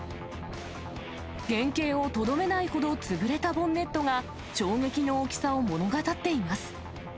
原形をとどめないほど潰れたボンネットが、衝撃の大きさを物語っています。